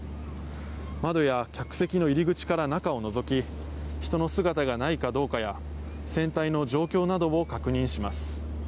窓や客席の入り口から中をのぞき人の姿がないかどうかや船体の状況などを確認します。